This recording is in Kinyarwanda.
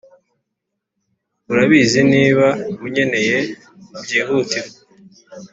urabizi niba unkeneye byihutirwa